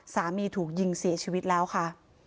สามีถูกยิงเสียชีวิตแล้วค่ะ